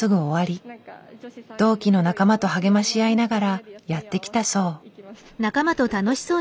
同期の仲間と励まし合いながらやってきたそう。